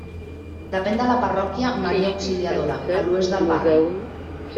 Depèn de la parròquia Maria Auxiliadora, a l'oest del barri.